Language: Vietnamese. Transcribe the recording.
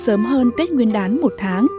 sớm hơn tết nguyên đán một tháng